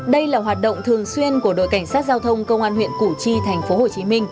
đây là hoạt động thường xuyên của đội cảnh sát giao thông công an huyện củ chi tp hcm